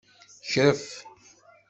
Kref.